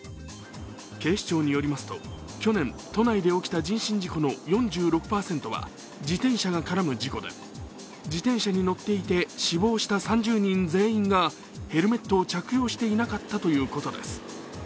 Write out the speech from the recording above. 警視庁によりますと去年、都内に起きた人身事故の４６％は自転車が絡む事故で自転車に乗っていて死亡した３０人全員がヘルメットを着用していなかったということです。